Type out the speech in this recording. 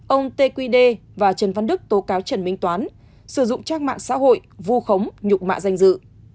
ông t q d và trần văn đức tố cáo trần minh toán sử dụng trác mạng xã hội vu khống nhục mạ danh dự